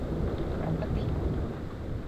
ปรกติ